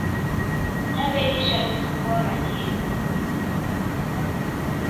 D'aw'elisha mifugho ra kedu